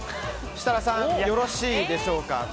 設楽さん、よろしいでしょうか。